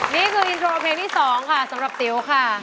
นี่คืออินโทรเพลงที่๒ค่ะสำหรับติ๋วค่ะ